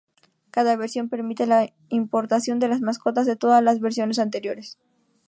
Cada versión permite la importación de las mascotas de todas las versiones anteriores.